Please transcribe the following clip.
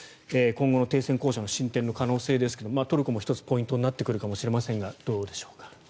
今後の停戦交渉の進展の可能性ですがトルコも１つポイントになってくるかもしれませんがどうでしょうか？